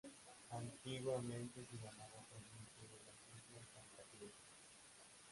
Antiguamente se llamaba provincia de las islas Santa Cruz.